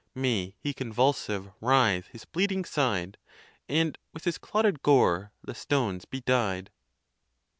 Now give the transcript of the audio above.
May he convulsive writhe his bleeding side, And with his clotted gore the stones be dyed!